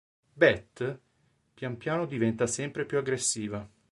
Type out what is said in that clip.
Beth, pian piano diventa sempre più aggressiva.